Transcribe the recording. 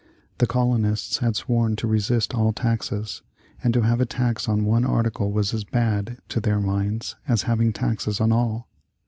The colonists had sworn to resist all taxes, and to have a tax on one article was as bad, to their minds, as having taxes on all.